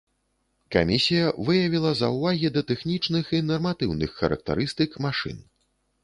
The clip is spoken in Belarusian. Камісія выявіла заўвагі да тэхнічных і нарматыўных характарыстык машын.